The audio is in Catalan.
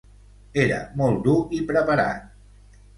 Era molt dur i preparat.